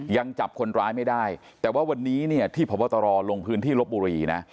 ยังจับคนร้ายไม่ได้แต่ว่าวันนี้เนี่ยที่พบตรลงพื้นที่ลบบุรีนะ